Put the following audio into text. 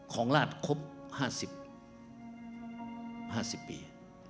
ของราชครบ๕๐ปี